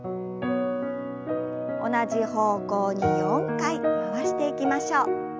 同じ方向に４回回していきましょう。